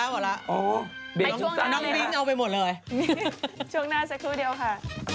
เบนท์สุดสรรค์น้องวิ้งเอาไปหมดเลยช่วงหน้าแสดงกันเดียวค่ะ